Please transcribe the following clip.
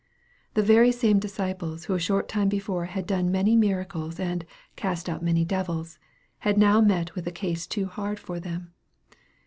The very same disciples who a short time before had done many miracles and " cast out many devils," had now met with a case too hard for them.